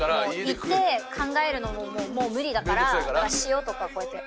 行って考えるのももう無理だから塩とかこうやって。